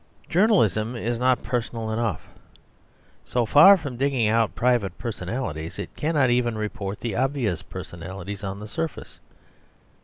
Journalism is not personal enough. So far from digging out private personalities, it cannot even report the obvious personalities on the surface.